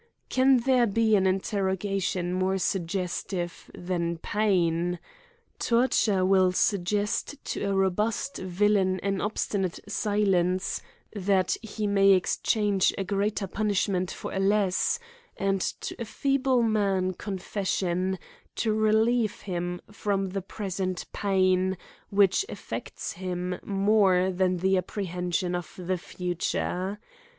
Can there be an interrogation more suggestive than pain ? Torture will suggest to a robust villain an obstinate silence, that he 142 AN ESSAY ON may exchange a greater punishment for a less ; and to a feeble man confession, to relieve him from the present pain, which affects him more than the apprehension of the future.